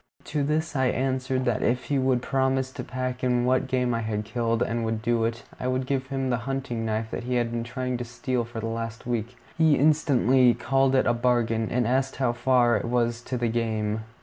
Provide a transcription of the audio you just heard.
To this I answered that if he would promise to pack in what game I had killed, and would do it, I would give him the hunting knife that he had been trying to steal for the last week. He instantly called it a bargain, and asked how far it was to the game.